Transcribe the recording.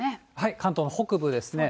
関東の北部ですね。